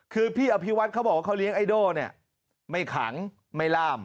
คือพี่อภิวัฒน์เขาบอกว่าเขาเลี้ยงไอโด่เนี่ยไม่ขังไม่ล่าม